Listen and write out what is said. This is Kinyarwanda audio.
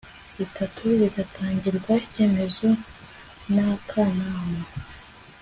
itanu bigatangirwa icyemezo n akanama